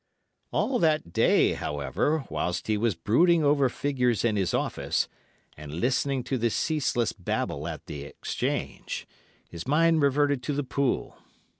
"All that day, however, whilst he was brooding over figures in his office, and listening to the ceaseless babble at the 'Change, his mind reverted to the pool.